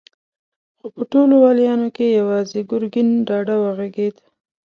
خو په ټولو واليانو کې يواځې ګرګين ډاډه وغږېد.